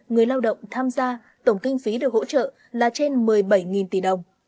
người lao động tham gia tổng kinh phí được hỗ trợ là trên một mươi bảy tỷ đồng